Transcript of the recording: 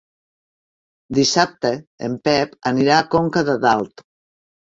Dissabte en Pep anirà a Conca de Dalt.